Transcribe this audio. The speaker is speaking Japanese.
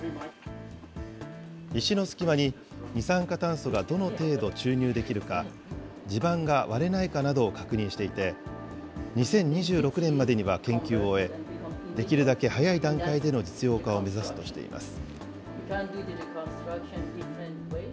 石の隙間に二酸化炭素がどの程度注入できるか、地盤が割れないかなどを確認していて、２０２６年までには研究を終え、できるだけ早い段階での実用化を目指すとしています。